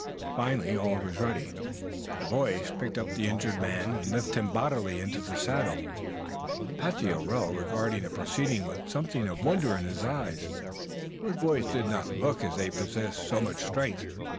Finally all was ready. The boys picked up the injured man and lifted him bodily into his saddle, Patsey O'Rell regarding the proceeding with something of wonder in his eyes, for the boys did not look as if they possessed so much strength.